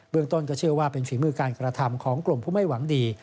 เมืองต้นก็เชื่อว่าเป็นฝีมือการกระทำของกลุ่มผู้ไม่หวังดี